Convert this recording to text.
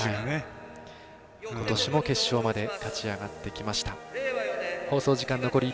ことしも決勝まで勝ち上がってきました。